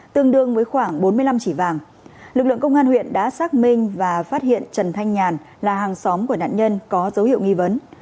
tương đương với khoảng bốn mươi năm chỉ vàng lực lượng công an huyện đã xác minh và phát hiện trần thanh nhàn là hàng xóm của nạn nhân có dấu hiệu nghi vấn